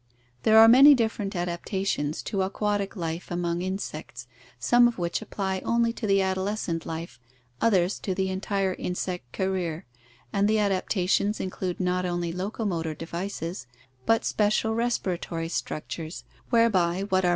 — There are many differ ent adaptations to aquatic life among insects, some of which apply only to the adolescent life, others to the entire insect career, and the adapta ^_ tions include not only locomotor devices, but sonai mole cricket. special respiratory structures whereby what are f^ff"1*}?